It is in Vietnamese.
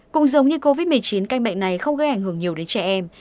cũng giống như covid một mươi chín căn bệnh này không gây ảnh hưởng nhiều đến trẻ em